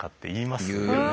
言いますね。